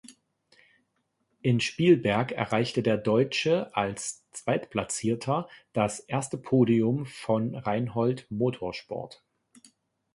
In Spielberg erreichte der Deutsche als Zweitplatzierter das erste Podium von Reinhold Motorsport.